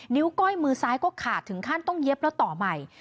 ก้อยมือซ้ายก็ขาดถึงขั้นต้องเย็บแล้วต่อใหม่